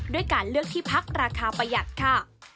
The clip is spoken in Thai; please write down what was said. ด้วยการเลือกที่พักราคาประหยัดค่ะ